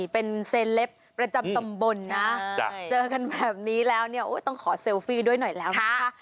เป็นเซลปประจำตำบลนะเจอกันแบบนี้แล้วเนี่ยต้องขอเซลฟี่ด้วยหน่อยแล้วนะคะ